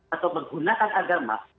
atau menggunakan agama